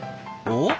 おっ？